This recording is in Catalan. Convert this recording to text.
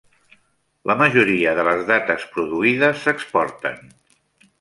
La majoria de les dates produïdes s'exporten.